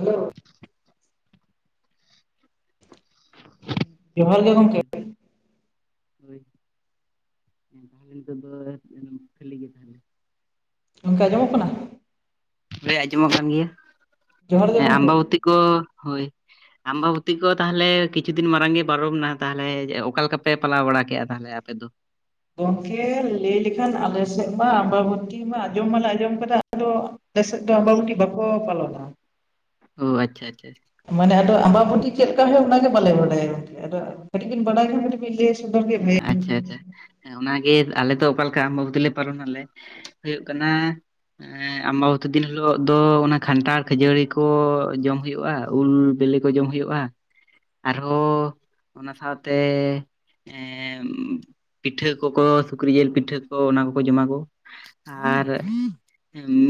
Hello ᱡᱚᱦᱟᱨ ᱜᱮ ᱜᱟᱝ [inaudible] ᱦᱮᱸ [unintelligible] ᱛᱟᱦᱚᱞᱮ ᱱᱤᱛᱚᱜ ᱫᱚ ᱠᱷᱟᱹᱞᱤ ᱜᱮ ᱛᱟᱦᱚᱞᱮ ᱜᱚᱝᱠᱮ ᱟᱸᱡᱚᱢᱚᱜ ᱠᱟᱱᱟ? ᱦᱳᱭ ᱟᱸᱡᱚᱢᱚᱜ ᱠᱟᱱ ᱜᱮᱭᱟ, ᱡᱚᱦᱟᱨ ᱜᱮ ᱦᱮᱸ ᱜᱚᱢᱠᱮ ᱟᱢᱵᱟᱵᱚᱛᱤ ᱠᱚ ᱦᱳᱭ ᱟᱢᱵᱟᱵᱚᱛᱤ ᱠᱚ ᱛᱟᱦᱚᱞᱮ ᱠᱤᱪᱷᱩ ᱫᱤᱱ ᱢᱟᱲᱟᱝ ᱜᱮ ᱵᱟᱨᱚᱢ ᱱᱟ ᱛᱟᱦᱚᱞᱮ ᱚᱠᱟ ᱞᱮᱠᱟ ᱯᱮ ᱯᱟᱞᱟᱣ ᱵᱟᱲᱟ ᱠᱮᱫᱼᱟ ᱾ ᱛᱟᱦᱚᱞᱮ ᱟᱯᱮ ᱫᱚ? ᱜᱚᱝᱠᱮ ᱞᱟᱹᱭ ᱞᱮᱠᱷᱟᱱ ᱟᱞᱮ ᱥᱮᱫ ᱢᱟ ᱟᱢᱵᱟᱵᱛᱤ ᱢᱟ ᱟᱸᱡᱚᱢ ᱢᱟᱞᱮ ᱟᱸᱡᱚᱢ ᱠᱟᱫᱟ ᱟᱫᱚ ᱟᱞᱮ ᱥᱮᱫ ᱫᱚ ᱟᱢᱵᱟᱵᱩᱛᱤ ᱵᱟᱠᱚ ᱯᱟᱞᱚᱱᱟ᱾ ᱚ ᱟᱪᱪᱷᱟ ᱟᱪᱪᱷᱟ ᱟᱪᱪᱷᱟ ᱢᱟᱱᱮ ᱟᱫᱚ ᱟᱢᱵᱟᱵᱚᱛᱤ ᱪᱮᱫ ᱠᱟᱱ ᱦᱳᱭᱳᱜ-ᱟ, ᱚᱱᱟ ᱜᱮ ᱵᱟᱞᱮ ᱵᱟᱰᱟᱭᱟ ᱜᱚᱝᱠᱮ ᱟᱫᱚ ᱠᱟᱹᱴᱤᱡ ᱵᱤᱱ ᱵᱟᱰᱟᱭ ᱠᱷᱟᱱ ᱠᱟᱴᱤᱡ ᱵᱤᱱ ᱞᱮᱭ ᱥᱚᱫᱚᱨ ᱜᱮ ᱟᱪᱪᱷᱟ ᱵᱷᱟᱹᱜᱮ ᱟᱪᱪᱷᱟ ᱟᱪᱪᱷᱟ᱾ ᱦᱮᱸ ᱚᱱᱟ ᱜᱮ ᱟᱞᱮ ᱫᱚ ᱚᱠᱟ ᱞᱮᱠᱟ ᱟᱢᱵᱟᱵᱚᱛᱤ ᱞᱮ ᱯᱟᱞᱚᱱ ᱟᱞᱮ ᱦᱳᱭᱳᱜ ᱠᱟᱱᱟ ᱦᱚᱸ ᱟᱢᱵᱟᱵᱚᱛᱤ ᱫᱤᱱ ᱦᱤᱞᱳᱜ ᱫᱚ, ᱚᱱᱟ ᱠᱷᱟᱱᱴᱟᱲ ᱠᱷᱟᱹᱡᱟᱹᱲᱤ ᱠᱚ ᱡᱚᱢ ᱦᱳᱭᱳᱜᱼᱟ, ᱩᱞ ᱵᱮᱞᱮ ᱠᱚ ᱡᱚᱢ ᱦᱩᱭᱩᱜᱼᱟ ᱟᱨᱦᱚᱸ ᱚᱱᱟ ᱥᱟᱶᱛᱮ ᱯᱤᱴᱷᱟᱹ ᱠᱚᱠᱚ ᱥᱩᱠᱨᱤ ᱡᱤᱞ ᱯᱤᱴᱷᱟᱹ ᱠᱚ ᱚᱱᱟ ᱠᱚᱠᱚ ᱡᱚᱢᱟ ᱠᱚ᱾ ᱟᱨ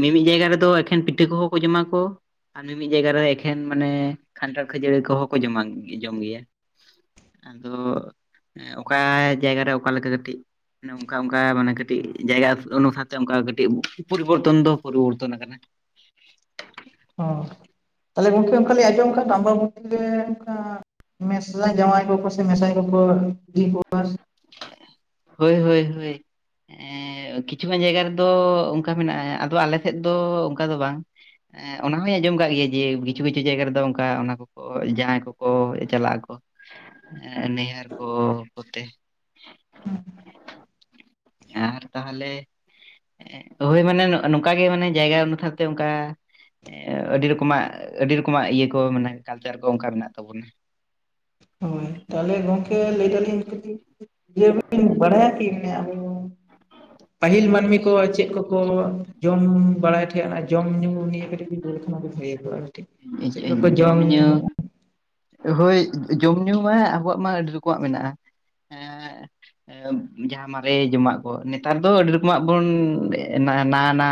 ᱢᱤᱢᱤᱫ ᱡᱟᱭᱜᱟ ᱨᱮᱫᱚ ᱮᱠᱷᱮᱱ ᱯᱤᱴᱷᱟᱹ ᱠᱚᱦᱚᱸ ᱠᱚ ᱡᱚᱢᱟ ᱠᱚ᱾ ᱟᱨ ᱢᱤᱢᱤᱫ ᱡᱟᱭᱜᱟ ᱨᱮ ᱮᱠᱷᱮᱱ ᱢᱟᱱᱮ ᱠᱷᱟᱱᱴᱟᱲ ᱠᱷᱟᱹᱡᱟᱹᱲᱤ ᱠᱚᱦᱚᱸ ᱠᱚ ᱡᱚᱢᱟ ᱡᱚᱢ ᱜᱮᱭᱟ᱾ ᱟᱫᱚ ᱦᱮᱸ ᱚᱠᱟ ᱡᱟᱭᱜᱟ ᱨᱮ ᱚᱠᱟᱮ ᱞᱮᱠᱟ ᱠᱟᱹᱴᱤᱡ ᱮ ᱱᱚᱝᱠᱟ ᱚᱝᱠᱟ ᱢᱟᱱᱮ ᱠᱟᱹᱴᱤᱡ ᱡᱟᱭᱜᱟ ᱚᱱᱩᱥᱟᱨ ᱛᱮ ᱚᱱᱠᱟ ᱠᱟᱹᱴᱤᱡ ᱯᱚᱨᱤᱵᱚᱨᱛᱚᱱ ᱫᱚ ᱯᱚᱨᱤᱵᱚᱨᱛᱚᱱ ᱟᱠᱟᱱᱟ ᱾ ᱚ ᱛᱟᱦᱞᱮ ᱜᱚᱝᱠᱮ ᱚᱱᱠᱟ ᱞᱤᱧ ᱟᱸᱡᱚᱢ ᱟᱠᱟᱫ ᱫᱚ, ᱟᱢᱵᱟᱵᱚᱛᱤ ᱨᱮ ᱚᱱᱠᱟ ᱢᱮᱥᱨᱟ ᱡᱟᱶᱟᱭ ᱠᱚᱠᱚ ᱥᱮ ᱢᱮᱥᱟᱭ ᱠᱚᱠᱚ ᱤᱫᱤ ᱠᱚᱣᱟ? ᱦᱳᱭ ᱦᱳᱭ ᱦᱳᱭ ᱾ ᱮ ᱠᱤᱪᱷᱩ ᱜᱟᱱ ᱡᱟᱭᱜᱟ ᱨᱮᱫᱚ ᱚᱱᱠᱟ ᱢᱮᱱᱟᱜᱼᱟ, ᱟᱫᱚ ᱟᱞᱮ ᱥᱮᱫ ᱫᱚ ᱚᱱᱠᱟ ᱫᱚ ᱵᱟᱝ ᱾ ᱮᱸ ᱚᱱᱟ ᱦᱚᱸᱧ ᱟᱸᱡᱚᱢ ᱠᱟᱜ ᱜᱮᱭᱟ ᱡᱮ, ᱠᱤᱪᱷᱩ ᱠᱤᱪᱷᱩ ᱡᱟᱭᱜᱟ ᱨᱮᱫᱚ ᱚᱱᱠᱟ ᱚᱱᱟ ᱠᱚ ᱡᱟᱦᱟᱸᱭ ᱠᱚᱠᱚ ᱪᱟᱞᱟᱜ ᱟᱠᱚ ᱱᱮᱭᱟᱨ ᱠᱚ ᱠᱚᱛᱮ ᱦᱩᱸ ᱾ ᱟᱨ ᱛᱟᱦᱚᱞᱮ ᱦᱳᱭ, ᱢᱟᱱᱮ ᱱᱚᱝᱠᱟ ᱜᱮ ᱢᱟᱱᱮ ᱡᱟᱭᱜᱟ ᱚᱱᱩᱥᱟᱨᱛᱮ ᱚᱱᱠᱟ ᱟᱹᱰᱤ ᱨᱚᱠᱚᱢᱟᱜ ᱟᱹᱰᱤ ᱨᱚᱠᱚᱢᱟᱜ ᱤᱭᱟᱹ ᱠᱚ ᱢᱟᱱᱮ ᱠᱟᱞᱪᱟᱨ ᱠᱚ ᱚᱱᱠᱟ ᱢᱮᱱᱟᱜ ᱛᱟᱵᱚᱱᱟ ᱾ ᱦᱳᱭ, ᱛᱟᱦᱚᱞᱮ ᱜᱚᱝᱠᱮ ᱞᱟᱹᱭ ᱫᱟᱹᱞᱤᱧ ᱡᱮ ᱢᱮᱱᱛᱮ ᱵᱟᱲᱟᱭᱟ ᱠᱤ ᱯᱟᱹᱦᱤᱞ ᱢᱟᱹᱱᱢᱤ ᱠᱚ ᱪᱮᱫ ᱠᱚᱠᱚ ᱡᱚᱢ ᱵᱟᱲᱟᱭ? ᱚᱱᱟ ᱡᱚᱢᱼ ᱧᱩ ᱱᱤᱭ ᱠᱟᱹᱴᱤᱡ ᱵᱷᱟᱹᱜᱭᱟᱼᱟ ᱟᱨᱠᱤ ᱪᱮᱫ ᱞᱮᱠᱟ ᱠᱚ ᱡᱚᱢ ᱛᱟᱦᱮᱸᱫᱼᱟ? ᱦᱳᱭ, ᱡᱚᱢ ᱧᱩ ᱢᱟ ᱟᱵᱚᱣᱟᱜ ᱢᱟ ᱟᱹᱰᱤ ᱨᱚᱠᱚᱢᱟᱜ ᱢᱮᱱᱟᱜᱼᱟ ᱾ [inaudible] ᱡᱟᱦᱟᱸ ᱢᱟᱨᱮ ᱡᱚᱢᱟᱜ ᱠᱚ, ᱱᱮᱛᱟᱨ ᱫᱚ ᱟᱹᱰᱤ ᱨᱚᱠᱚᱢᱟᱜ ᱵᱚᱱ ᱱᱟᱶᱟ ᱱᱟᱶᱟ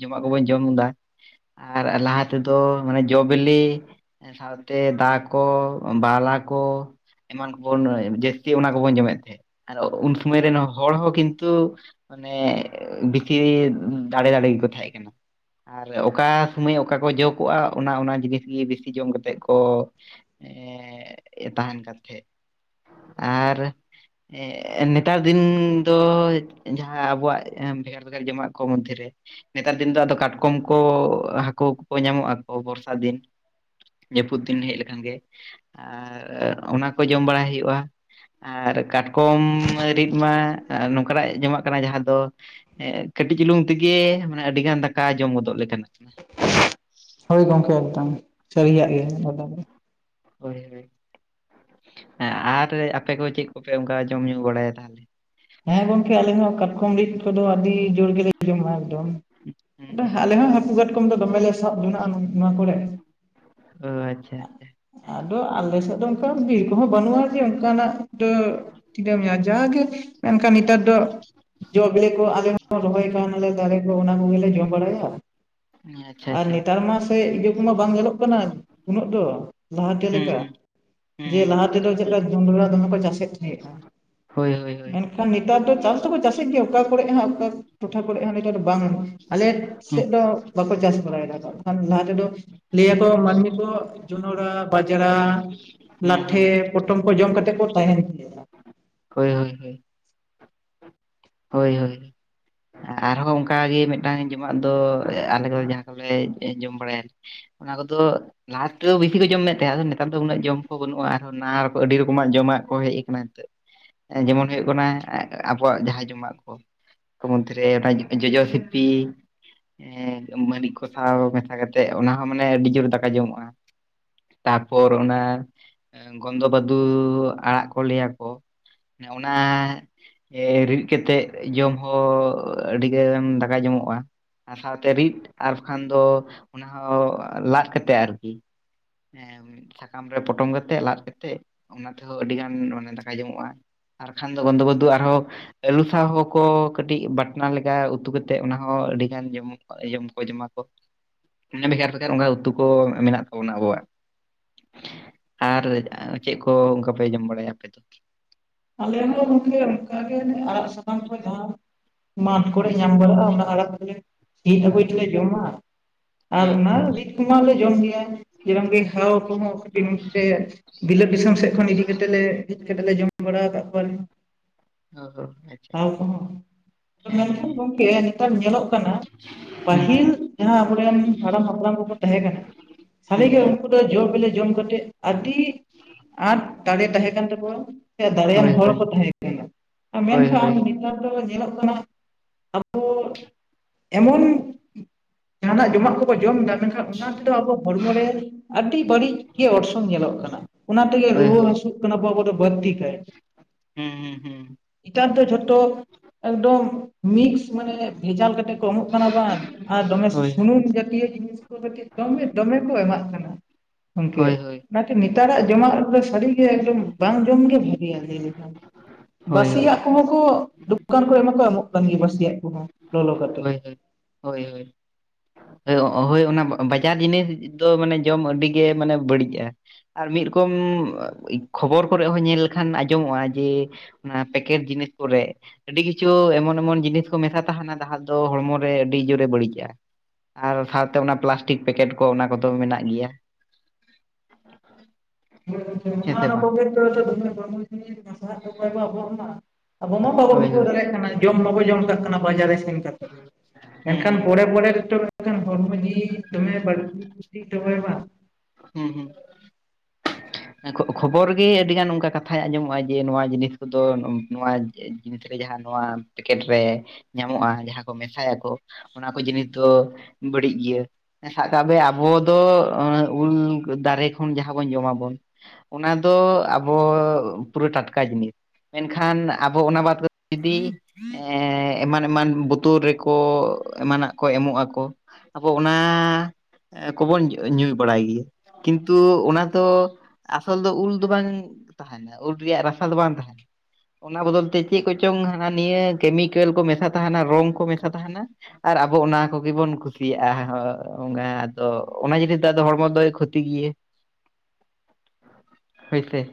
ᱡᱚᱢᱟᱜ ᱠᱚᱵᱚᱱ ᱡᱚᱢ ᱮᱫᱟ ᱟᱨ ᱞᱟᱦᱟ ᱛᱮᱫᱚ ᱢᱟᱱᱮ ᱡᱚ ᱵᱤᱞᱤ ᱥᱟᱶ ᱛᱮ ᱫᱟᱜ ᱠᱚ, ᱵᱟᱢᱞᱟ ᱠᱚ, ᱮᱢᱟᱱ ᱠᱚᱵᱚᱱ ᱡᱟᱹᱥᱛᱤ ᱚᱱᱟ ᱠᱚᱵᱚᱱ ᱡᱚᱢᱮᱫ ᱛᱟᱦᱮᱸᱫ ᱾ ᱩᱱ ᱥᱚᱢᱚᱭ ᱨᱮᱱ ᱦᱚᱲ ᱦᱚᱸ ᱠᱤᱱᱛᱩ ᱢᱟᱱᱮ ᱵᱤᱥᱤ ᱫᱟᱲᱮ ᱫᱟᱲᱮ ᱜᱮᱠᱚ ᱛᱟᱦᱮᱸ ᱠᱟᱱᱟ ᱾ ᱟᱨ ᱚᱠᱟ ᱥᱳᱢᱚᱭ ᱚᱠᱟ ᱠᱚ ᱡᱚᱜ ᱛᱯᱚᱜᱼᱟ, ᱚᱱᱟ ᱚᱱᱟ ᱡᱤᱱᱤᱥ ᱜᱮ ᱵᱤᱥᱤ ᱡᱚᱢ ᱠᱟᱛᱮ ᱠᱚ ᱮ ᱛᱟᱦᱮᱱ ᱠᱟᱱ ᱛᱟᱦᱮᱸᱫ ᱟᱨ ᱦᱮᱸ ᱱᱮᱛᱟᱨ ᱫᱤᱱ ᱫᱚ ᱡᱟᱦᱟᱸ ᱟᱵᱚᱣᱟᱜ ᱡᱚᱢᱟᱜ ᱠᱚ ᱢᱚᱫᱽᱫᱷᱮ ᱨᱮ, ᱱᱮᱛᱟᱨ ᱫᱤᱱ ᱫᱚ ᱟᱫᱚ ᱠᱟᱴᱠᱚᱢ ᱠᱚ, ᱦᱟᱹᱠᱩ ᱠᱚ ᱧᱟᱢᱚᱜᱼᱟ ᱾ ᱵᱚᱨᱥᱟ ᱫᱤᱱ ᱡᱟᱹᱯᱩᱫ ᱫᱤᱱ ᱦᱮᱡ ᱞᱮᱠᱷᱟᱱ ᱜᱮ ᱟᱨ ᱚᱱᱟ ᱠᱚ ᱡᱚᱢ ᱵᱟᱲᱟᱭ ᱦᱩᱭᱩᱜᱼᱟ ᱾ ᱟᱨ ᱠᱟᱴᱠᱚᱢ ᱨᱤᱫ ᱢᱟ ᱱᱚᱝᱠᱟ ᱱᱟᱜ ᱡᱚᱢᱟᱜ ᱠᱟᱱᱟ ᱡᱟᱦᱟᱸ ᱫᱚ ᱠᱟᱹᱴᱤᱡ ᱪᱩᱞᱩᱝ ᱛᱮᱜᱮ ᱢᱟᱱᱮ, ᱟᱹᱰᱤ ᱜᱟᱱ ᱫᱟᱠᱟ ᱡᱚᱢ ᱜᱚᱫᱚᱜ ᱞᱮ ᱛᱟᱦᱮᱸ ᱠᱟᱱᱟ ᱾ ᱦᱳᱭ ᱜᱚᱝᱠᱮ, ᱮᱠᱫᱚᱢ ᱥᱟᱨᱤᱭᱟᱹᱨᱤᱭᱟᱜ ᱜᱮ ᱾ ᱦᱳᱭ ᱦᱳᱭ ᱾ ᱦᱮᱸ ᱟᱨ ᱟᱯᱮ ᱠᱚ ᱪᱮᱫ ᱠᱚᱯᱮ ᱚᱱᱠᱟ ᱡᱚᱢ ᱧᱩ ᱵᱟᱲᱟᱭᱟ ᱛᱟᱦᱚᱞᱮ? ᱦᱮᱸ ᱜᱚᱝᱠᱮ, ᱟᱞᱮ ᱦᱚᱸ ᱠᱟᱴᱠᱚᱢ ᱠᱚᱫᱚ ᱟᱹᱰᱤ ᱡᱳᱨ ᱜᱮᱞᱮ ᱡᱚᱢᱼᱟ, ᱮᱠᱫᱚᱢ ᱦᱩᱸ ᱦᱩᱸ ᱟᱞᱮ ᱦᱚᱸ ᱦᱟᱹᱠᱩ ᱠᱟᱴᱠᱚᱢ ᱫᱚᱢᱮ ᱞᱮ ᱥᱟᱵ ᱡᱚᱱᱟᱜᱼᱟ ᱱᱚᱣᱟ ᱠᱚᱨᱮ ᱾ ᱚ ᱟᱪᱪᱷᱟ ᱟᱪᱪᱷᱟ ᱾ ᱟᱫᱚ ᱟᱞᱮ ᱥᱮᱫ ᱫᱚ ᱚᱱᱠᱟ ᱵᱤᱨ ᱠᱚᱦᱚᱸ ᱵᱟᱹᱱᱩᱜᱼᱟ ᱡᱮ ᱚᱱᱠᱟᱱᱟᱜ ᱴᱟᱹ [unintelligible] ᱡᱟᱜᱮ ᱢᱮᱱᱠᱷᱟᱱ ᱱᱮᱛᱟᱨ ᱫᱚ ᱡᱚ ᱵᱮᱞᱮ ᱠᱚ ᱟᱞᱮ ᱦᱚᱸ ᱨᱚᱦᱚᱭ ᱠᱟᱣᱱᱟᱞᱮ ᱫᱟᱨᱮ ᱠᱚ ᱚᱱᱟ ᱠᱚᱜᱮᱞᱮ ᱡᱚᱢ ᱵᱟᱲᱟᱭᱟ ᱾ [unintelligible] ᱟᱨ ᱱᱮᱛᱟᱨ ᱢᱟ ᱥᱮ ᱤᱭᱟᱹ ᱠᱚᱢᱟ ᱵᱟᱝ ᱧᱮᱞᱚᱜ ᱠᱟᱱᱟ ᱩᱱᱟᱹᱜ ᱫᱚ ᱞᱟᱦᱟᱛᱮ ᱦᱩᱸ ᱞᱮᱠᱟ ᱦᱩᱸ ᱾ ᱦᱩᱸ ᱡᱮ ᱞᱟᱦᱟ ᱛᱮᱫᱚ ᱦᱩᱸ ᱪᱮᱫ ᱞᱮᱠᱟ ᱡᱚᱸᱰᱨᱟᱹ ᱫᱚᱢᱮ ᱠᱚ ᱪᱟᱥᱮᱫ ᱛᱟᱦᱮᱸᱜᱼᱟ ᱾ ᱦᱳᱭ ᱦᱳᱳᱭ ᱾ ᱢᱮᱱᱠᱷᱟᱱ ᱱᱮᱛᱟᱨ ᱫᱚ ᱪᱟᱥ ᱫᱚᱠᱚ ᱪᱟᱥᱮᱫ ᱜᱮᱭᱟ, ᱚᱠᱟ ᱠᱚᱨᱮ ᱦᱟᱸ ᱚᱠᱟ ᱴᱚᱴᱷᱟ ᱠᱚᱨᱮ ᱦᱟᱸ ᱱᱮᱛᱟᱨ ᱫᱚ ᱵᱟᱝ ᱟᱞᱮ ᱦᱩᱸ ᱥᱮᱫ ᱫᱚ ᱵᱟᱠᱚ ᱪᱟᱥ ᱵᱟᱲᱟᱭᱮᱫᱟ ᱞᱟᱦᱟ ᱛᱮᱫᱚ ᱞᱟᱹᱭ ᱟᱠᱚ ᱢᱟᱹᱱᱢᱤ ᱠᱚ ᱡᱚᱱᱚᱨᱟᱹ ᱵᱟᱡᱲᱟᱹ ᱦᱩᱸ ᱞᱟᱴᱷᱮ ᱦᱩᱸ ᱯᱚᱴᱚᱢ ᱠᱚ ᱡᱚᱢ ᱠᱟᱛᱮ ᱠᱚ ᱛᱟᱦᱮᱱ ᱜᱮᱭᱟ ᱦᱳᱭ ᱦᱳᱭ ᱦᱳᱭ ᱾ ᱦᱳᱭ ᱦᱳᱭ ᱟᱨᱦᱚᱸ ᱚᱱᱠᱟ ᱜᱮ ᱢᱤᱫᱴᱟᱱ ᱡᱚᱢᱟᱜ ᱫᱚ ᱟᱞᱮ ᱠᱚ ᱡᱟᱦᱟᱸ ᱠᱚᱞᱮ ᱡᱚᱢ ᱵᱟᱲᱟᱭᱟᱞᱮ ᱚᱱᱟ ᱠᱚᱫᱚ ᱞᱟᱦᱟ ᱛᱮᱫᱚ ᱵᱮᱥᱤ ᱠᱚ ᱡᱚᱢᱮᱫ ᱛᱟᱦᱮᱸᱫ ᱟᱫᱚ ᱱᱮᱛᱟᱨ ᱫᱚ ᱩᱱᱟᱹᱜ ᱡᱚᱢ ᱠᱚ ᱵᱟᱹᱱᱩᱜᱼᱟ ᱟᱨ ᱱᱟᱱᱟ ᱨᱚ ᱟᱹᱰᱤ ᱨᱚᱠᱚᱢᱟᱜ ᱡᱚᱢᱟᱜ ᱠᱚ ᱦᱮᱡᱽ ᱟᱠᱟᱱᱟ ᱱᱤᱛᱟᱜ ᱡᱮᱢᱚᱱ ᱦᱩᱭᱩᱜ ᱠᱟᱱᱟ ᱟᱵᱚᱣᱟᱜ ᱡᱟᱦᱟᱸ ᱡᱚᱢᱟᱜ ᱠᱚ [unintelligible] ᱢᱚᱫᱽᱫᱷᱮᱨᱮ ᱚᱱᱟ ᱡᱚᱡᱚ ᱥᱤᱯᱤ ᱢᱟᱹᱨᱤᱪ ᱠᱚᱥᱟᱣ ᱢᱮᱥᱟ ᱠᱟᱛᱮᱜ ᱚᱱᱟ ᱦᱚᱸ ᱢᱟᱱᱮ ᱟᱹᱰᱤ ᱡᱩᱨ ᱫᱟᱠᱟ ᱡᱚᱢᱚᱜᱼᱟ᱾ ᱛᱟᱯᱚᱨ ᱚᱱᱟ ᱜᱚᱱᱫᱚ ᱵᱟᱫᱩ ᱟᱲᱟᱜ ᱠᱚ ᱞᱟᱹᱭᱟᱠᱚ ᱚᱱᱟ ᱮ ᱨᱤᱫᱽ ᱠᱟᱛᱮᱫ ᱡᱚᱢ ᱦᱚᱸ ᱟᱹᱰᱤᱜᱟᱱ ᱫᱟᱠᱟ ᱡᱚᱢᱚᱜᱼᱟ᱾ ᱟᱨ ᱥᱟᱶᱛᱮ ᱨᱤᱫᱽ ᱟᱨ ᱵᱟᱠᱷᱟᱱ ᱫᱚ ᱚᱱᱟ ᱦᱚᱸ ᱞᱟᱫᱽ ᱠᱟᱛᱮ ᱟᱨᱠᱤ ᱥᱟᱠᱟᱢ ᱨᱮ ᱯᱚᱴᱚᱢ ᱠᱟᱛᱮᱫ ᱞᱟᱫᱽ ᱠᱟᱛᱮᱜ ᱚᱱᱟ ᱛᱮᱦᱚᱸ ᱟᱹᱰᱤ ᱜᱟᱱ ᱫᱟᱠᱟᱭ ᱡᱚᱢᱚᱜᱼᱟ ᱟᱨᱠᱷᱟᱱ ᱫᱚ ᱜᱚᱱᱫᱚ ᱵᱟᱫᱷᱩ ᱟᱨᱦᱚᱸ ᱟᱹᱞᱩ ᱥᱟᱣ ᱦᱚᱸᱠᱚ ᱠᱟᱹᱴᱤᱡᱽ ᱵᱟᱴᱱᱟ ᱞᱮᱠᱟ ᱩᱛᱩ ᱠᱟᱛᱮᱫ ᱚᱱᱟ ᱦᱚᱸ ᱟᱹᱰᱤ ᱜᱟᱱ ᱡᱚᱢᱚ ᱡᱚᱢ ᱠᱚ ᱡᱚᱢᱟ ᱠᱚ ᱢᱟᱱᱮ ᱵᱷᱮᱜᱟᱨ ᱵᱷᱮᱜᱟᱨ ᱚᱱᱠᱟ ᱩᱛᱩ ᱠᱚ ᱢᱮᱱᱟᱜ ᱛᱟᱵᱚᱱᱟ ᱟᱵᱚᱣᱟᱜ ᱟᱨ ᱪᱮᱫ ᱠᱚ ᱚᱱᱠᱟ ᱯᱮ ᱡᱚᱢ ᱵᱟᱲᱟᱭᱟ ᱟᱯᱮ ᱫᱚ? ᱟᱞᱮ ᱦᱚᱸ ᱜᱚᱝᱠᱮ ᱚᱱᱠᱟ ᱜᱮ ᱟᱲᱟᱜ ᱥᱟᱠᱟᱢ ᱠᱚ ᱡᱟᱸᱦᱟ ᱢᱟᱴᱷ ᱠᱚᱲᱮ ᱦᱩᱸ ᱧᱟᱢ ᱵᱟᱲᱟᱜᱼᱟ ᱚᱱᱟ ᱟᱲᱟᱜ ᱛᱮᱞᱮ ᱥᱤᱫᱽ ᱟᱹᱜᱩᱭ ᱛᱮᱞᱮ ᱦᱩᱸ ᱡᱚᱢᱟ ᱟᱨ ᱦᱮᱸ ᱚᱱᱟ ᱨᱤ ᱠᱚᱢᱟ ᱞᱮ ᱡᱚᱢ ᱜᱮᱭᱟ [unintelligible] ᱦᱟᱣ ᱠᱚᱦᱚᱸ ᱠᱟᱹᱴᱤᱡᱽ ᱵᱤᱞᱟᱹᱛ [unintelligible] ᱫᱤᱥᱚᱢ ᱥᱮᱫ ᱠᱚᱱ ᱤᱫᱤ ᱠᱟᱛᱮᱫ ᱞᱮ ᱦᱮᱡᱽ ᱠᱟᱛᱮᱞᱮ ᱡᱚᱢ ᱵᱟᱲᱟ ᱠᱟᱜ ᱠᱚᱣᱟᱞᱮ᱾ ᱚ ᱟᱪᱪᱷᱟ ᱟᱪᱪᱷᱟ ᱦᱮᱸ ᱦᱮᱸ ᱢᱮᱱᱠᱷᱟᱱ ᱜᱚᱝᱠᱮ ᱱᱮᱛᱟᱨ ᱧᱮᱞᱚᱜ ᱠᱟᱱᱟ ᱦᱩᱸ ᱯᱟᱹᱦᱤᱞ ᱡᱟᱸᱦᱟ ᱟᱵᱚᱨᱮᱱ ᱦᱟᱲᱟᱢ ᱦᱟᱯᱲᱟᱢ ᱠᱚᱠᱚ ᱛᱟᱸᱦᱮ ᱠᱟᱱᱟ ᱥᱟᱲᱤ ᱦᱩᱸ ᱜᱮ ᱩ ᱦᱩᱸ ᱩᱱᱠᱩ ᱫᱚ ᱡᱚ ᱵᱮᱞᱮ ᱡᱚᱢ ᱠᱟᱛᱮᱫ ᱟᱹᱰᱤ ᱟᱸᱴ ᱫᱟᱲᱮ ᱛᱟᱦᱮᱸ ᱠᱟᱱ ᱛᱟᱠᱚᱣᱟ ᱫᱟᱲᱮᱭᱟᱱ ᱦᱳᱭ ᱦᱚᱲ ᱦᱳᱭ ᱠᱚ ᱛᱟᱸᱦᱮ ᱠᱟᱱᱟ ᱦᱳᱭ ᱢᱮᱱᱠᱷᱟᱱ ᱦᱳᱭ ᱱᱮᱛᱟᱨ ᱫᱚ ᱧᱮᱞᱚᱜ ᱠᱟᱱᱟ ᱟᱵᱚ ᱮᱢᱚᱱ ᱡᱟᱸᱦᱟᱱᱟᱜ ᱡᱚᱢᱟᱜ ᱠᱚᱵᱚ ᱡᱚᱢ ᱫᱟ ᱢᱮᱱᱠᱷᱟᱱ ᱚᱱᱟ ᱛᱮᱫᱚ ᱟᱵᱚ ᱦᱚᱲᱢᱚ ᱨᱮ ᱟᱹᱰᱤ ᱵᱟᱹᱲᱤᱡ ᱜᱮ ᱚᱨᱥᱚᱝ ᱧᱮᱞᱚᱜ ᱠᱟᱱᱟ᱾ ᱚᱱᱟ ᱛᱮᱜᱮ ᱦᱳᱭ ᱨᱩᱣᱟᱹ ᱦᱳᱭ ᱦᱟᱹᱥᱩᱜ ᱠᱟᱱᱟᱵᱚ ᱟᱵᱚ ᱫᱚ ᱵᱟᱹᱲᱛᱤ ᱠᱟᱭ ᱦᱩᱸ ᱦᱩᱸ ᱦᱩᱸ ᱱᱮᱛᱟᱨ ᱫᱚ ᱡᱷᱚᱛᱚ ᱮᱠᱫᱚᱢ ᱢᱤᱠᱥ ᱢᱟᱱᱮ ᱵᱷᱮᱡᱟᱞ ᱠᱟᱛᱮ ᱠᱚ ᱮᱢᱚᱜ ᱠᱟᱱᱟ ᱵᱟᱝ ᱟᱨ ᱫᱚᱢᱮ ᱦᱳᱭ ᱥᱩᱱᱩᱢ ᱡᱟᱹᱛᱤᱭᱚ ᱡᱤᱱᱤᱥ ᱠᱟᱹᱴᱤᱡᱽ ᱫᱚᱢᱮ ᱫᱚᱢᱮ ᱠᱚ ᱮᱢᱟᱜ ᱠᱟᱱᱟ ᱜᱚᱝᱠᱮ ᱦᱳᱭ ᱦᱳᱭ ᱚᱱᱟᱛᱮ ᱱᱮᱛᱟᱨᱟᱜ ᱡᱚᱢᱟᱜ ᱥᱟᱹᱨᱤᱜᱮ ᱮᱠᱫᱚᱢ ᱵᱟᱝ ᱡᱚᱢ ᱜᱮ ᱵᱷᱟᱹᱜᱤᱭᱟ ᱞᱟᱭ ᱞᱮᱠᱷᱟᱱ ᱦᱳᱭ ᱦᱳᱭ ᱵᱟᱹᱥᱤᱭᱟᱜ ᱠᱚᱦᱚᱸ ᱠᱚ ᱫᱚᱠᱟᱱ ᱠᱚᱨᱮ ᱢᱟᱠᱚ ᱮᱢᱚᱜ ᱠᱟᱱ ᱜᱮᱭᱟ ᱵᱟᱹᱥᱤᱭᱟᱜ ᱠᱚᱦᱚᱸ ᱞᱚᱞᱚ ᱠᱟᱛᱮᱫ ᱦᱳᱭ ᱦᱳᱭ ᱦᱳᱭ ᱦᱳᱭ ᱦᱳᱭ ᱦᱳᱭ ᱚᱱᱟ ᱵᱟᱡᱟᱨ ᱡᱤᱱᱤᱥ ᱫᱚ ᱢᱟᱱᱮ ᱡᱚᱢ ᱟᱹᱰᱤ ᱜᱮ ᱢᱟᱱᱮ ᱵᱟᱹᱲᱤᱡᱽᱼᱟ᱾ ᱟᱨ ᱢᱤᱫ ᱨᱚᱠᱚᱢ ᱠᱷᱚᱵᱚᱨ ᱠᱚᱨᱮ ᱦᱚᱸ ᱧᱮᱞ ᱞᱮᱠᱷᱟᱱ ᱟᱸᱡᱚᱢᱚᱜᱼᱟ ᱡᱮ ᱚᱱᱟ ᱯᱮᱠᱮᱴ ᱡᱤᱱᱤᱥ ᱠᱚᱨᱮ ᱟᱹᱰᱤ ᱠᱤᱪᱷᱩ ᱮᱢᱚᱱ ᱮᱢᱚᱱ ᱡᱤᱱᱤᱥ ᱠᱚ ᱢᱮᱥᱟ ᱛᱟᱦᱮᱱᱟ ᱡᱟᱦᱟᱸ ᱫᱚ ᱦᱚᱲᱢᱚ ᱨᱮ ᱟᱹᱰᱤ ᱡᱳᱨᱮ ᱵᱟᱹᱲᱤᱡᱽᱼᱟ᱾ ᱟᱨ ᱥᱟᱶᱛᱮ ᱚᱱᱟ ᱯᱞᱟᱥᱴᱤᱠ ᱯᱮᱠᱮᱴ ᱠᱚ ᱚᱱᱟ ᱠᱚᱫᱚ ᱢᱮᱱᱟᱜ ᱜᱮᱭᱟ᱾ ᱦᱮᱸ ᱥᱮ ᱵᱟᱝ [unintelligible] ᱟᱵᱚ ᱢᱟ ᱵᱟᱵᱚ ᱦᱳᱭ ᱵᱩᱡᱷᱟᱹᱣ ᱦᱳᱭ ᱫᱟᱲᱮᱭᱟᱜ ᱠᱟᱱᱟ ᱡᱚᱢ ᱢᱟᱵᱚ ᱡᱚᱢ ᱠᱟᱜ ᱠᱟᱱᱟ ᱵᱟᱡᱟᱨ ᱨᱮ ᱥᱮᱱ ᱠᱟᱛᱮᱫ᱾ ᱦᱩᱸ ᱢᱮᱱᱠᱷᱟᱱ ᱦᱩᱸ ᱯᱚᱨᱮ ᱯᱚᱨᱮ ᱛᱮᱫᱚ ᱢᱮᱱᱠᱷᱟᱱ ᱦᱚᱲᱢᱚ ᱡᱤᱣᱤ ᱫᱚᱢᱮᱭ ᱵᱟᱲᱛᱤ ᱠᱷᱚᱛᱤᱭᱮᱫ ᱛᱟᱵᱚᱱᱟ ᱵᱟᱝ᱾ ᱦᱩᱸ᱾ ᱠᱷᱚᱵᱚᱨ ᱜᱮ ᱟᱹᱰᱤ ᱜᱟᱱ ᱚᱱᱠᱟ ᱠᱟᱛᱷᱟᱭ ᱟᱸᱡᱚᱢᱚᱜᱼᱟ ᱡᱮ ᱱᱚᱣᱟ ᱡᱤᱱᱤᱥ ᱠᱚᱫᱚ ᱱᱚᱣᱟ ᱡᱤᱱᱤᱥ ᱨᱮ ᱡᱟᱦᱟᱸ ᱱᱚᱣᱟ ᱯᱮᱠᱮᱴ ᱨᱮ ᱧᱟᱢᱚᱜᱼᱟ ᱡᱟᱦᱟᱸ ᱠᱚ ᱢᱮᱥᱟᱭᱟᱠᱚ ᱚᱱᱟ ᱠᱚ ᱡᱤᱱᱤᱥ ᱫᱚ ᱵᱟᱹᱲᱤᱡ ᱜᱮᱭᱟ᱾ ᱥᱟᱵ ᱠᱟᱜ ᱵᱮ ᱟᱵᱚ ᱫᱚ ᱩᱞ ᱫᱟᱨᱮ ᱠᱷᱚᱱ ᱡᱟᱦᱟᱸ ᱵᱚᱱ ᱡᱚᱢᱟᱵᱚᱱ᱾ ᱚᱱᱟ ᱫᱚ ᱟᱵᱚ ᱯᱩᱨᱟᱹ ᱴᱟᱴᱠᱟ ᱡᱤᱱᱤᱥ᱾ ᱢᱮᱱᱠᱷᱟᱱ ᱟᱵᱚ ᱚᱱᱟ ᱵᱟᱫ ᱠᱟᱛᱮ ᱡᱩᱫᱤ ᱮᱸᱻ ᱮᱢᱟᱱ ᱮᱢᱟᱱ ᱵᱳᱛᱚᱞ ᱨᱮᱠᱚ ᱮᱢᱟᱱᱟᱜ ᱠᱚ ᱮᱢᱚᱜ ᱟᱠᱚ ᱟᱵᱚ ᱚᱱᱟ ᱠᱚᱵᱚᱱ ᱧᱩ ᱵᱟᱲᱟᱭ ᱜᱮᱭᱟ᱾ ᱠᱤᱱᱛᱩ ᱚᱱᱟ ᱫᱚ ᱟᱥᱚᱞ ᱫᱚ ᱩᱞ ᱫᱚ ᱵᱟᱝ ᱛᱟᱸᱦᱮᱱᱟ, ᱩᱞ ᱨᱮᱭᱟᱜ ᱨᱟᱥᱟ ᱫᱚ ᱵᱟᱝ ᱛᱟᱸᱦᱮᱱᱟ᱾ ᱚᱱᱟ ᱵᱚᱫᱚᱞ ᱛᱮ ᱪᱮᱫ ᱠᱚᱪᱚᱝ ᱦᱟᱱᱟ ᱱᱤᱭᱟᱹ ᱠᱮᱢᱤᱠᱮᱞ ᱠᱚ ᱢᱮᱥᱟ ᱛᱟᱸᱦᱮᱱᱟ ᱨᱚᱝ ᱠᱚ ᱢᱮᱥᱟ ᱛᱟᱸᱦᱮᱱᱟ᱾ ᱟᱨ ᱟ ᱟᱵᱚ ᱚᱱᱟ ᱠᱚᱜᱮ ᱵᱚᱱ ᱠᱩᱥᱤᱭᱟᱜᱼᱟ ᱦᱳᱭ, ᱟᱫᱚ ᱚᱱᱟ ᱡᱤᱱᱤᱥ ᱫᱚ ᱟᱫᱚ ᱦᱚᱲᱢᱚ ᱫᱚᱭ ᱠᱷᱚᱛᱤ ᱜᱮᱭᱟ᱾ [inaudible] ᱦᱳᱭ ᱥᱮ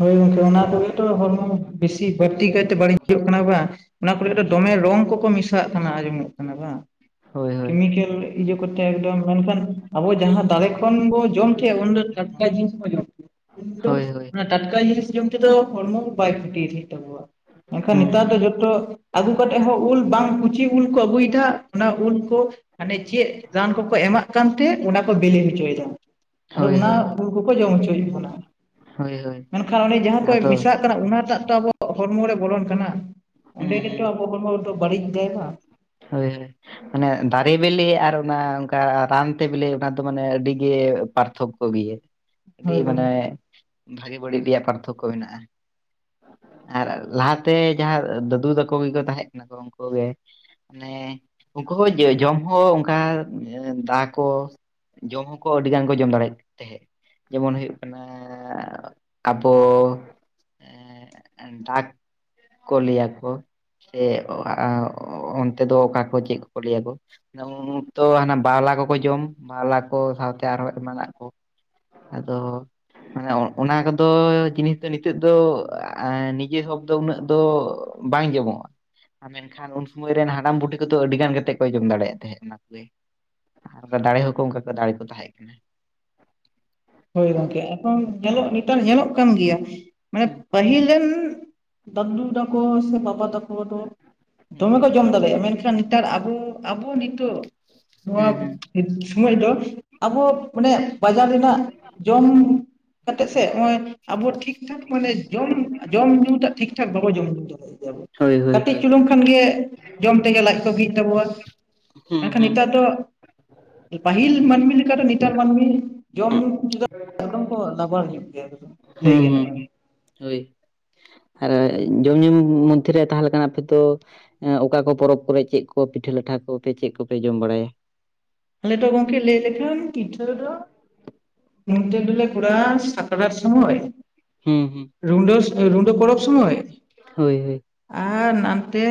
ᱦᱳᱭ ᱜᱚᱝᱠᱮ ᱚᱱᱟ ᱠᱚᱜᱮ ᱛᱚ ᱦᱚᱲᱢᱚ ᱵᱤᱥᱤ ᱵᱟᱹᱲᱛᱤ ᱠᱟᱭᱛᱮ ᱵᱟᱹᱲᱤᱡᱚᱜ ᱠᱟᱱᱟ ᱵᱟᱝ᱾ ᱚᱱᱟ ᱠᱚᱨᱮ ᱫᱚ ᱫᱚᱢᱮ ᱨᱚᱝ ᱠᱚᱠᱚ ᱢᱮᱥᱟᱣᱟᱜ ᱠᱟᱱᱟ ᱟᱸᱡᱚᱢᱚᱜ ᱠᱟᱱᱟ ᱵᱟᱝ? ᱦᱳᱭ ᱦᱳᱭ ᱠᱮᱢᱤᱠᱮᱞ᱾ ᱤᱭᱟᱹ ᱠᱚᱛᱮ ᱮᱠᱫᱚᱢ ᱢᱮᱱᱠᱷᱟᱱ ᱟᱵᱚ ᱡᱟᱦᱟᱸ ᱫᱟᱲᱮ ᱠᱚ᱾ ᱡᱚᱠᱷᱚᱱ ᱵᱚ ᱡᱚᱢ ᱠᱮ ᱩᱱ ᱫᱚ ᱴᱟᱴᱠᱟ ᱡᱤᱱᱤᱥ ᱵᱚ ᱡᱚᱢ ᱠᱮ ᱩᱱ ᱫᱚ ᱦᱳᱭ ᱦᱳᱭ ᱚᱱᱟ ᱴᱟᱴᱠᱟ ᱡᱤᱱᱤᱥ ᱡᱚᱢ ᱛᱮᱫᱚ ᱦᱚᱲᱢᱚ ᱠᱚ ᱵᱟᱭ ᱠᱷᱩᱛᱤ [unintelligible] ᱢᱮᱱᱠᱷᱟᱱ ᱦᱩᱸ ᱱᱮᱛᱟᱨ ᱦᱩᱸ ᱫᱚ ᱡᱚᱛᱚ ᱟᱹᱜᱩ ᱠᱟᱛᱮ ᱦᱚᱸ ᱩᱞ ᱵᱟᱝ ᱠᱩᱪᱤ ᱩᱞ ᱠᱚ ᱟᱹᱜᱩᱭᱮᱫᱟ ᱚᱱᱟ ᱩᱞ ᱠᱚ ᱢᱟᱱᱮ ᱪᱮᱫ ᱨᱟᱱ ᱠᱚᱠᱚ ᱮᱢᱟᱜ ᱠᱟᱱᱛᱮ ᱚᱱᱟ ᱠᱚ ᱵᱤᱞᱤ ᱦᱚᱪᱚᱭᱮᱫᱟ᱾ ᱟᱫᱚ ᱦᱳᱭ ᱚᱱᱟ ᱦᱳᱭ ᱩᱞ ᱠᱚᱠᱚ ᱡᱚᱢ ᱦᱚᱪᱚᱭᱮᱫ ᱵᱚᱱᱟ᱾ ᱦᱳᱭ ᱦᱳᱭ ᱢᱮᱱᱠᱷᱟᱱ ᱚᱸᱰᱮ ᱡᱟᱦᱟᱸ ᱠᱚ ᱟᱫᱚ ᱢᱮᱥᱟᱜ ᱦᱩᱸ ᱠᱟᱱᱟ ᱚᱱᱟᱴᱟᱜ ᱛᱚ ᱟᱵᱚ ᱦᱚᱲᱢᱚ ᱨᱮ ᱵᱚᱞᱚᱱ ᱠᱟᱱᱟ᱾ ᱚᱸᱰᱮ ᱜᱮ [unintelligible] ᱦᱩᱸ ᱟᱵᱚᱣᱟ ᱦᱚᱲᱢᱚ ᱨᱮᱫᱚ ᱵᱟᱲᱤᱡ ᱫᱟᱭ ᱵᱟᱝ᱾ ᱦᱳᱭ᱾ ᱢᱟᱱᱮ ᱫᱟᱨᱮ ᱵᱤᱞᱤ ᱟᱨ ᱚᱱᱟ ᱚᱝᱠᱟ ᱨᱟᱱᱛᱮ ᱵᱮᱞᱮ ᱚᱱᱟ ᱫᱚ ᱢᱟᱱᱮ ᱟᱹᱰᱤᱜᱮ ᱯᱟᱨᱛᱷᱚᱠ᱾ ᱠᱚ ᱜᱮᱭᱟ, ᱟᱹᱰᱤ ᱦᱳᱭ ᱢᱟᱱᱮ ᱜᱚᱝᱠᱮ ᱵᱷᱟᱜᱮ ᱵᱟᱹᱲᱤᱡ ᱨᱮᱭᱟᱜ ᱯᱟᱨᱛᱷᱚᱠᱠᱚ ᱢᱮᱱᱟᱜᱼᱟ᱾ ᱟᱨ ᱞᱟᱦᱟᱛᱮ ᱡᱟᱦᱟᱸ ᱫᱟᱹᱫᱩ ᱛᱟᱠᱚ ᱜᱮᱠᱚ ᱛᱟᱦᱮᱸ ᱠᱟᱱᱟ ᱠᱚ ᱩᱝᱠᱩ ᱜᱮ ᱢᱟᱱᱮ ᱩᱝᱠᱩ ᱦᱚᱸ ᱡᱚᱢ ᱦᱚᱸ ᱚᱝᱠᱟ ᱫᱟ ᱠᱚ ᱡᱚᱢ ᱦᱚᱸᱠᱚ ᱟᱹᱰᱤ ᱜᱟᱱ ᱠᱚ ᱡᱚᱢ ᱫᱟᱲᱮᱭᱟᱜ ᱛᱮᱦᱮᱸᱫ᱾ ᱡᱮᱢᱚᱱ ᱦᱩᱭᱩᱜ ᱠᱟᱱᱟ ᱟᱵᱚ ᱮᱸ ᱮᱸᱜ, ᱰᱟᱠ ᱠᱚ ᱞᱟᱹᱭᱟᱠᱚ ᱥᱮ ᱟ ᱚᱱ ᱛᱮᱫᱚ ᱚᱠᱟ ᱠᱚ ᱪᱮᱫ ᱠᱚ ᱞᱟᱹᱭᱟᱠᱚ? ᱡᱮᱢᱚᱱ ᱩᱱᱠᱛᱚ ᱦᱟᱱᱟ ᱵᱟᱶᱞᱟ ᱠᱚᱠᱚ ᱡᱚᱢ, ᱵᱟᱶᱞᱟ ᱠᱚ ᱥᱟᱶᱛᱮ ᱟᱨᱦᱚᱸ ᱮᱢᱟᱱᱟᱜ ᱠᱚ ᱟᱫᱚ ᱢᱟᱱᱮ ᱚᱱᱟ ᱠᱚᱫᱚ ᱡᱤᱱᱤᱥ ᱫᱚ ᱱᱤᱛᱚᱜ ᱫᱚ ᱱᱤᱡᱮ ᱥᱚᱵ ᱫᱚ ᱩᱱᱟᱹᱜ ᱫᱚ ᱵᱟᱝ ᱡᱚᱢᱚᱜ [inaudible] ᱟᱨ ᱢᱮᱱᱠᱷᱟᱱ ᱩᱱ ᱥᱚᱢᱚᱭ ᱨᱮᱱ ᱦᱟᱲᱟᱢ ᱵᱩᱰᱷᱤ ᱠᱚᱫᱚ ᱟᱹᱰᱤ ᱜᱟᱱ ᱠᱟᱛᱮᱫ ᱠᱚ ᱡᱚᱢ ᱫᱟᱲᱮᱭᱟᱜ ᱛᱟᱸᱦᱮᱫ ᱚᱱᱟ ᱠᱚᱜᱮ᱾ ᱟᱨ ᱫᱟᱲᱮ ᱦᱚᱸᱠᱚ ᱚᱱᱠᱟ ᱠᱚ ᱫᱟᱲᱮ ᱠᱚ ᱛᱟᱦᱮᱸ ᱠᱟᱱᱟ᱾ ᱦᱳᱭ ᱜᱚᱝᱠᱮ ᱮᱠᱷᱚᱱ ᱧᱮᱞᱚᱜ ᱱᱮᱛᱟᱨ ᱧᱮᱞᱚᱜ ᱠᱟᱱ ᱜᱮᱭᱟ ᱢᱟᱱᱮ ᱦᱩᱸ ᱯᱟᱹᱦᱤᱞ ᱨᱮᱱ ᱫᱟᱫᱩ ᱛᱟᱠᱚ ᱥᱮ ᱵᱟᱵᱟ ᱛᱟᱠᱚ ᱫᱚ ᱦᱩᱸ ᱫᱚᱢᱮ ᱠᱚ ᱡᱚᱢ ᱫᱟᱲᱮᱭᱟᱜᱼᱟ ᱢᱮᱱᱠᱷᱟᱱ ᱱᱮᱛᱟᱨ ᱟᱵᱚ ᱟᱵᱚ ᱱᱤᱛᱚᱜ ᱱᱚᱣᱟ ᱦᱩᱸ ᱦᱩᱸ ᱥᱚᱢᱚᱭ ᱫᱚ ᱟᱵᱚ ᱢᱟᱱᱮ ᱵᱟᱡᱟᱨ ᱨᱮᱱᱟᱜ ᱡᱚᱢ ᱠᱟᱛᱮ ᱥᱮ ᱱᱚ-ᱭᱚ ᱟᱵᱚ ᱴᱷᱤᱠ ᱴᱷᱟᱠ ᱢᱟᱱᱮ ᱡᱚᱢ ᱡᱚᱢ ᱧᱩ ᱴᱟᱜ ᱴᱷᱤᱠ ᱴᱷᱟᱠ ᱵᱟᱵᱚ ᱡᱚᱢ ᱧᱩ ᱫᱟᱲᱮᱭᱟ ᱜᱮᱭᱟ ᱵᱚᱱ᱾ ᱦᱳᱭ ᱦᱳᱭ ᱠᱟᱹᱴᱤᱡ ᱦᱳᱭ ᱪᱩᱞᱩᱝ ᱠᱷᱟᱱ ᱜᱮ ᱡᱚᱢ ᱛᱮᱜᱮ ᱞᱟᱡ ᱠᱚ ᱵᱤᱜ ᱛᱟᱵᱚᱣᱟ᱾ ᱦᱩᱸ ᱢᱮᱱᱠᱷᱟᱱ ᱦᱩᱸ ᱱᱤᱛᱟᱨ ᱫᱚ ᱯᱟᱹᱦᱤᱞ ᱢᱟᱹᱱᱢᱤ ᱞᱮᱠᱟ ᱫᱚ ᱱᱮᱛᱟᱨ ᱢᱟᱹᱱᱢᱤ ᱡᱚᱢ ᱧᱩ ᱮᱠᱫᱚᱢ ᱠᱚ ᱞᱟᱵᱟᱲ ᱧᱽ ᱜᱮᱭᱟᱠ ᱞᱟᱹᱭ ᱦᱩᱸ ᱦᱩᱸ ᱜᱟᱱᱚᱜᱼᱟ᱾ ᱦᱩᱸ ᱦᱳᱭ ᱟᱨ ᱡᱚᱢ ᱧᱩ ᱢᱚᱫᱽᱫᱷᱮᱨᱮ ᱛᱟᱦᱞᱮ ᱠᱷᱟᱱ ᱟᱯᱮ ᱛᱚ ᱚᱠᱟ ᱠᱚ ᱯᱚᱨᱚᱵᱽ ᱠᱚᱨᱮ ᱪᱮᱫ ᱠᱚ ᱯᱤᱴᱷᱟᱹ ᱞᱟᱴᱷᱟ ᱠᱚᱯᱮ ᱪᱮᱫ ᱠᱚᱯᱮ ᱡᱚᱢ ᱵᱟᱲᱟᱭᱟ? ᱟᱞᱮ ᱫᱚ ᱜᱚᱢᱠᱮ ᱞᱟᱹᱭ ᱞᱮᱠᱷᱟᱱ ᱯᱤᱴᱷᱟᱹ ᱫᱚ ᱱᱚᱛᱮ ᱫᱚᱞᱮ ᱠᱚᱨᱟᱣ-ᱟ ᱥᱟᱠᱲᱟᱨ ᱥᱚᱢᱚᱭ ᱦᱩᱸ ᱦᱩᱸ ᱨᱩᱰᱟ. ᱨᱩᱰᱟᱹ ᱯᱚᱨᱚᱵ ᱥᱚᱢᱚᱭ ᱦᱳᱭ ᱦᱳᱭ ᱾ ᱟᱨ ᱱᱟᱱᱛᱮ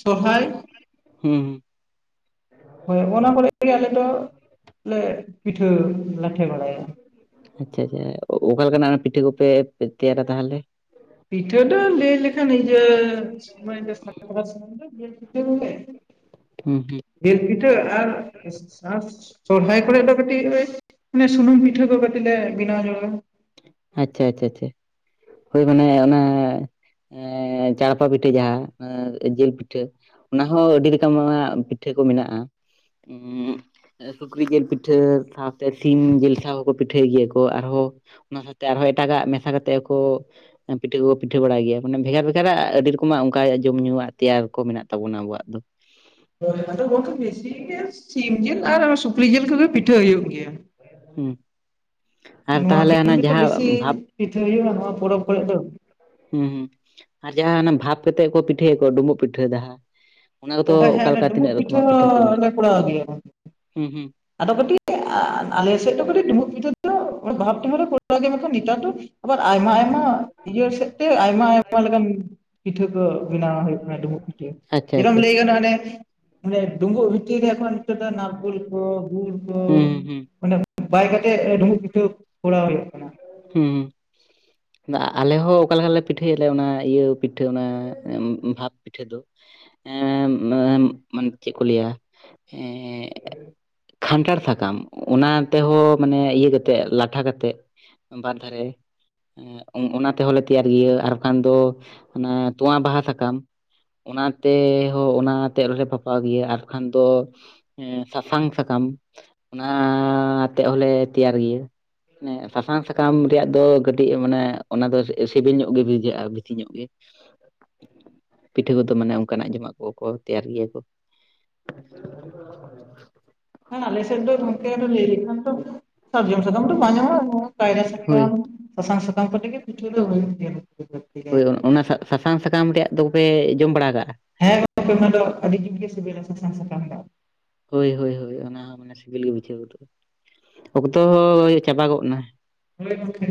ᱥᱚᱦᱚᱨᱟᱭ ᱦᱩᱸ ᱦᱳᱭ ᱚᱱᱟ ᱠᱚᱨᱮ ᱜᱮ ᱟᱞᱮ ᱫᱚ, ᱞᱮ ᱯᱤᱴᱷᱟᱹᱼᱼ ᱟᱪᱪᱷᱟ ᱟᱪᱪᱷᱟ ᱚᱠᱟ ᱞᱮᱠᱟ ᱱᱟᱜ ᱯᱤᱴᱷᱟᱹ ᱠᱚᱯᱮ ᱛᱮᱭᱟᱨᱟ ᱛᱟᱦᱚᱞᱮ? ᱯᱤᱴᱷᱟᱹ ᱫᱚ ᱞᱟᱹᱭ ᱞᱮᱠᱷᱟᱱ ᱤᱭᱟᱹ [unintelligible] [inaudible] ᱦᱩᱸᱢ [inaudible] ᱡᱮᱞ ᱯᱤᱴᱷᱟᱹ ᱟᱨᱼᱼ ᱟᱨ ᱥᱚᱨᱦᱟᱭ ᱠᱚᱨᱮ ᱫᱚ ᱠᱟᱹᱴᱤᱡ ᱞᱮ ᱥᱩᱱᱩᱢ ᱯᱤᱴᱷᱟᱹ ᱠᱚ ᱠᱟᱹᱴᱤᱡ ᱞᱮ ᱵᱮᱱᱟᱣ ᱧᱚᱜᱟ᱾ ᱟᱪᱪᱷᱟ ᱟᱪᱷᱮ ᱟᱪᱷᱮ ᱦᱳᱭ ᱢᱟᱱᱮ ᱚᱱᱟ ᱪᱟᱲᱯᱟ ᱯᱤᱴᱷᱟᱹ ᱡᱟᱦᱟᱸ ᱡᱤᱞ ᱯᱤᱴᱷᱟᱹᱼᱼ ᱚᱱᱟᱦᱚᱸ ᱟᱹᱰᱤ [unintelligible] ᱯᱤᱴᱷᱟᱹ ᱠᱚ ᱢᱮᱱᱟᱜᱼᱟ᱾ ᱥᱩᱠᱨᱤ ᱡᱤᱞ ᱯᱤᱴᱷᱟᱹ ᱥᱟᱶᱛᱮ ᱥᱤᱢ ᱡᱤᱞ ᱥᱟᱶ ᱦᱚᱸᱠᱚ ᱯᱤᱴᱷᱟᱹᱭ ᱜᱮᱭᱟ ᱠᱚ ᱟᱨᱦᱚᱸᱼᱼ ᱚᱱᱟ ᱥᱟᱶᱛᱮ ᱟᱨᱦᱚᱸ ᱮᱴᱟᱜᱟᱜ ᱢᱮᱥᱟ ᱠᱟᱛᱮᱜ ᱯᱤᱴᱷᱟᱹ ᱠᱚᱠᱚ ᱯᱤᱴᱷᱟᱹ ᱵᱟᱰᱟᱭ ᱜᱮᱭᱟ ᱵᱷᱮᱜᱟᱨ ᱵᱷᱮᱜᱟᱨᱟᱜ ᱟᱹᱰᱤ ᱨᱚᱠᱚᱢᱟᱜ ᱚᱱᱠᱟ ᱡᱚᱢ ᱧᱩᱣᱟᱜ ᱛᱮᱭᱟᱨ ᱠᱚ ᱢᱮᱱᱟᱜ ᱛᱟᱵᱚᱱᱟ ᱟᱵᱚᱣᱟᱜ ᱫᱚ ᱾ [unintelligible] ᱥᱤᱢ ᱡᱤᱞ ᱟᱨ ᱥᱩᱠᱨᱤ ᱡᱤᱞ ᱠᱚᱜᱮ ᱯᱤᱴᱷᱟᱹ ᱦᱩᱭᱩᱜ ᱜᱮᱭᱟ᱾ ᱦᱩᱢ ᱟᱨ ᱱᱚᱣᱟ ᱛᱟᱦᱚᱞᱮ ᱦᱟᱱᱟ ᱠᱤᱱ ᱜᱮᱛᱚ ᱵᱮᱥᱤ ᱡᱟᱦᱟᱸ ᱵᱷᱟᱵᱼᱼ ᱯᱤᱴᱷᱟᱹ ᱦᱩᱭᱩᱜᱼᱟ ᱱᱚᱣᱟ ᱯᱚᱨᱚᱵᱽ ᱠᱚᱨᱮᱜ ᱫᱚ, ᱦᱩᱸ ᱦᱩᱸ ᱟᱨ ᱡᱟᱦᱟᱸ ᱦᱟᱱᱟ ᱵᱷᱟᱵᱽ ᱠᱟᱛᱮᱜ ᱠᱚ ᱯᱤᱴᱷᱟᱹᱭᱟ ᱠᱚ ᱰᱩᱵᱩᱜ ᱯᱤᱴᱷᱟᱹ ᱡᱟᱦᱟᱼᱼ ᱚᱱᱟ ᱠᱚᱫᱚ ᱦᱮᱸ ᱦᱮᱸ ᱚᱠᱟᱞᱮᱠᱟ ᱰᱩᱸᱵᱩᱜ ᱛᱤᱱᱟᱹᱜ ᱨᱚᱠᱚᱢᱟᱜ ᱯᱤᱴᱷᱟᱹ ᱠᱚ ᱢᱮᱱᱟᱜᱼᱟ, ᱦᱚᱸᱞᱮ ᱠᱚᱨᱟᱣ ᱜᱮᱭᱟ ᱦᱩᱸᱦᱩ ᱟᱫᱚ ᱠᱟᱹᱴᱤᱡ ᱟᱞᱮ ᱥᱮᱫ ᱫᱚ ᱠᱟᱹᱴᱤᱡ ᱰᱩᱢᱵᱩᱜ ᱯᱤᱴᱷᱟᱹ ᱫᱚᱼᱼ [inaudible] ᱵᱷᱟᱵ [unintelligible] ᱱᱤᱛᱟᱨ ᱫᱚ ᱟᱵᱟᱨ ᱟᱭᱢᱟ ᱟᱭᱢᱟᱼᱼ [inaudible] ᱤᱭᱟᱹ ᱥᱮᱫ ᱛᱮ ᱟᱭᱢᱟ ᱟᱭᱢᱟ ᱞᱮᱠᱟᱱ ᱯᱤᱴᱷᱟᱹ ᱠᱚ ᱵᱮᱱᱟᱣ ᱦᱩᱭᱩᱜ ᱠᱟᱱᱟ ᱰᱩᱢᱵᱩᱜ ᱯᱤᱴᱷᱟᱹᱼᱼ ᱟᱪᱪᱷᱟ ᱟᱪᱪᱷᱟ [unintelligible] ᱞᱟᱹᱭ ᱜᱟᱱᱚᱜ ᱟᱱᱮᱼᱼ ᱚᱱᱮ ᱰᱩᱢᱵᱩᱜ ᱵᱷᱤᱛᱤᱨ ᱨᱮ ᱮᱠᱷᱚᱱ ᱱᱤᱛᱚᱜ ᱫᱚ ᱱᱟᱨᱠᱩᱞ ᱠᱚ ᱜᱩᱲ ᱠᱚ ᱦᱩᱸ ᱦᱩᱸ ᱚᱱᱮᱼᱼ ᱵᱟᱭ ᱠᱟᱛᱮᱜ ᱰᱩᱸᱵᱩᱜ ᱯᱤᱴᱷᱟᱹ ᱠᱚᱨᱟᱣ ᱦᱩᱭᱩᱜ ᱠᱟᱱᱟ᱾ ᱦᱩᱸ ᱟᱞᱮ ᱦᱚᱸ ᱚᱠᱟ ᱞᱮᱠᱟᱞᱮ ᱯᱤᱴᱷᱟᱹᱭᱟᱞᱮ ᱚᱱᱟ ᱤᱭᱟᱹ ᱯᱤᱴᱷᱟᱹ ᱚᱱᱟ ᱵᱷᱟᱵᱽᱼᱼ ᱯᱤᱴᱷᱟᱹ ᱫᱚ [unintelligible] ᱪᱮᱫ ᱠᱚ ᱞᱟᱹᱭᱟ [unintelligible] ᱠᱷᱟᱱᱴᱷᱟᱲ ᱥᱟᱠᱟᱢ ᱚᱱᱟ ᱛᱮᱦᱚᱸ ᱢᱟᱱᱮ ᱤᱭᱟᱹ ᱠᱟᱛᱮᱜ ᱞᱟᱴᱷᱟ ᱾ [unintelligible] ᱵᱟᱨ ᱫᱷᱟᱨᱮᱼᱼ ᱚᱱᱟ ᱛᱮᱦᱚᱸᱞᱮ ᱛᱮᱭᱟᱨ ᱜᱤᱭᱟᱹ ᱟᱨ ᱵᱟᱝᱠᱷᱟᱱ ᱫᱚ ᱚᱱᱟ ᱛᱚᱣᱟ ᱵᱟᱦᱟ ᱥᱟᱠᱟᱢᱼᱼ ᱚᱱᱟ ᱛᱮ-ᱮ ᱦᱚᱸ ᱚᱱᱟᱛᱮᱜ ᱨᱮᱞᱮ ᱵᱟᱯᱷᱟᱣ ᱜᱮᱭᱟ ᱟᱨᱠᱷᱟᱱ ᱫᱚᱼᱼ ᱦᱮᱸ ᱥᱟᱥᱟᱝ ᱥᱟᱠᱟᱢ ᱚᱱᱟ-ᱟ ᱟᱛᱮᱜ ᱦᱚᱞᱮ ᱛᱮᱭᱟᱨ ᱜᱤᱭᱟᱹ ᱮ ᱥᱟᱥᱟᱝ ᱥᱟᱠᱟᱢ ᱨᱮᱭᱟᱜ ᱫᱚ ᱠᱟᱹᱴᱤᱡ ᱢᱟᱱᱮ ᱚᱱᱟ ᱫᱚ ᱥᱤᱵᱤᱞ ᱧᱚᱜ ᱜᱮ ᱵᱩᱡᱷᱟᱹᱣᱟ ᱵᱮᱥᱤ ᱧᱚᱜ ᱜᱮ, ᱯᱤᱴᱷᱟᱹ ᱠᱚᱫᱚ ᱢᱟᱱᱮ ᱚᱱᱠᱟᱱᱟᱜ ᱡᱚᱢᱟᱜ ᱠᱚᱠᱚ ᱛᱮᱭᱟᱨ ᱜᱮᱭᱟ ᱠᱚ᱾ [unintelligible] ᱟᱞᱮ ᱥᱮᱫ ᱫᱚ ᱜᱚᱢᱠᱮ ᱞᱟᱹᱭ ᱞᱮᱠᱷᱟᱱ ᱫᱚᱼᱼ ᱥᱟᱨᱡᱚᱢ ᱥᱟᱠᱟᱢ ᱫᱚ ᱵᱟᱝ ᱧᱟᱢᱚᱜ-ᱟ, ᱱᱩᱣᱟ ᱠᱟᱭᱨᱟ ᱦᱳᱭ ᱥᱟᱠᱟᱢᱼᱼ ᱥᱟᱥᱟᱝ ᱥᱟᱠᱟᱢ ᱠᱚᱛᱮ ᱜᱮ ᱯᱤᱴᱷᱟᱹ ᱫᱚ ᱦᱩᱭᱩᱜ ᱜᱮᱭᱟ᱾ ᱦᱳᱭ ᱠᱟᱭᱛᱮ᱾ ᱚᱱᱟ ᱥᱟ-ᱥᱟᱥᱟᱝ ᱥᱟᱠᱟᱢ ᱨᱮᱭᱟᱜ ᱫᱚ ᱯᱮ ᱡᱚᱢ ᱵᱟᱲᱟ ᱟᱠᱟᱜᱼᱟ? ᱦᱮᱸ ᱜᱚᱢᱠᱮ ᱚᱱᱟ ᱫᱚ ᱟᱹᱰᱤ ᱡᱩᱛ ᱜᱮ ᱥᱤᱵᱤᱞᱟ ᱥᱟᱥᱟᱝ ᱥᱟᱠᱟᱢ ᱫᱚ ᱦᱳᱭ ᱦᱳᱭ ᱦᱳᱭ ᱚᱱᱟ ᱦᱚᱸ ᱢᱟᱱᱮ ᱥᱤᱵᱤᱞ ᱜᱮ ᱵᱩᱡᱷᱟᱹᱣ ᱜᱚᱫᱚᱜᱼᱟ, ᱚᱠᱛᱚ-ᱚ ᱪᱟᱵᱟ ᱜᱚᱜ ᱮᱱᱟ᱾ ᱦᱳᱭ ᱜᱚᱝᱠᱮ᱾